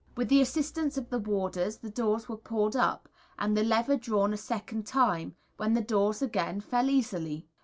With the assistance of the warders the doors were pulled up, and the lever drawn a second time, when the doors again fell easily.